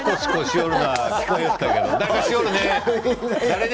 誰かしよるね、誰ね。